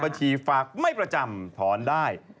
บัญชีฝากไม่ประจำถอนได้